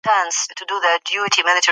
تاسو به کله د نجونو ښوونځي پرانیزئ؟